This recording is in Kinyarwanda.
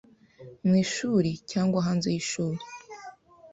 Mu ishuri cyangwa hanze y’ishuri.